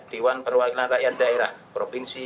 dewan perwakilan rakyat daerah provinsi